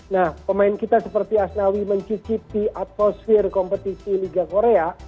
nah pemain kita seperti asnawi mencicipi atmosfer kompetisi liga korea